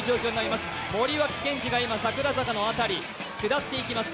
森脇健児が今桜坂の辺り、下っていきます。